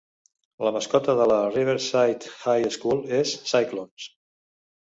La mascota de la Riverside High School és Cyclones.